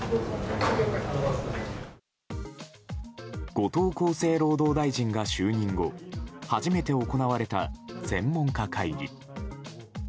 後藤厚生労働大臣が就任後初めて行われた専門家会議。